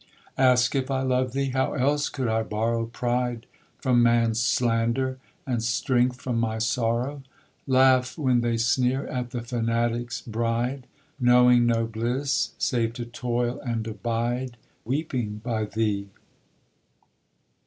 Ask if I love thee? How else could I borrow Pride from man's slander, and strength from my sorrow? Laugh when they sneer at the fanatic's bride, Knowing no bliss, save to toil and abide Weeping by thee.